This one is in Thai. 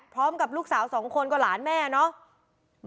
พร้อมกับลูกสาวสองคนก็หลานแม่เนาะ